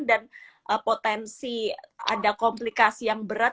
dan potensi ada komplikasi yang berat